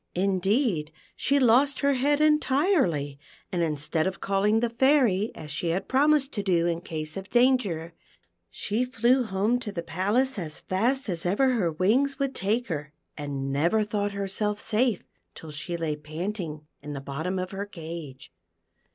Indeed she lost her head entirely, and instead of calling the Fairy as she had promised to do in case of danger, she flew home to the palace as fast as ever her wings would take her, and never thought herself safe till she lay panting in the bottom of her cage.